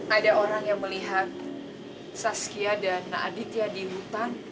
ada orang yang melihat saskia dan na aditya di hutan